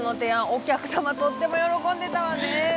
お客様とっても喜んでたわね